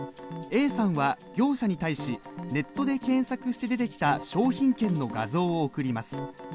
Ａさんは業者に対しネットで検索して出てきた商品券の画像を送ります。